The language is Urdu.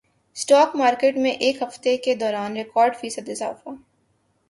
اسٹاک مارکیٹ میں ایک ہفتے کے دوران ریکارڈ فیصد اضافہ